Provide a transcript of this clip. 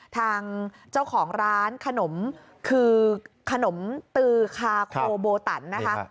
ทางเจ้าของร้านขนมคือขนมตือคาโคโบตันนะคะ